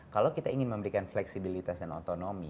kalau kita ingin memberikan fleksibilitas dan otonomi